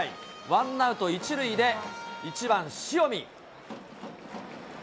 ワンアウト１塁で、１番塩見。